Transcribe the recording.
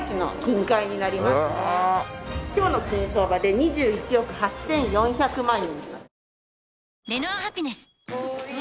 今日の金相場で２１億８４００万円。